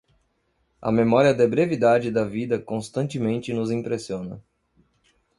A memória da brevidade da vida constantemente nos impressiona.